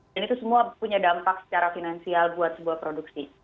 dan itu semua punya dampak secara finansial buat sebuah produksi